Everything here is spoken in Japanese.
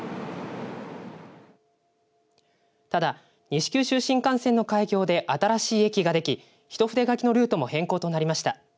ただ、西九州新幹線の開業で新しい駅ができ、一筆書きのルートも変更となりました。